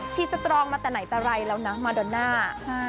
สตรองมาแต่ไหนแต่ไรแล้วนะมาโดน่า